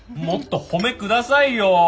もっと「褒め」くださいよ。